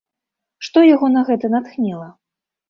Што яго на гэта натхніла?